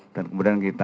dan kemudian kita